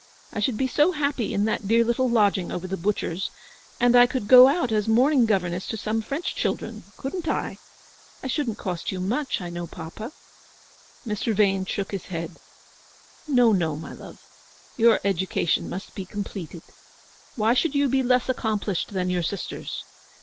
I should be so happy in that dear little lodging over the butcher's, and I could go out as morning governess to some French children, couldn't I ? I shouldn't cost you much, I know, papa." TPON THE THRESHOLD OE A GREAT SORROW. 77 Mr. Vane shook his head. "No, no, my love. Your education must be completed. Why should you be less accomplished than your sisters